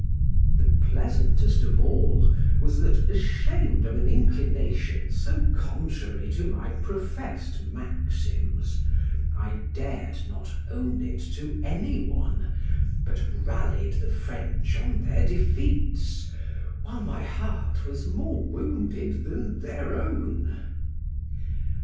The pleasantest of all was that, ashamed of an inclination so contrary to my professed maxims, I dared not own it to any one, but rallied the French on their defeats, while my heart was more wounded than their own.